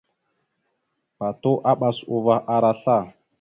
Patu aɓas uvah ara sla.